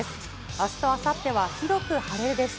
あすとあさっては広く晴れるでし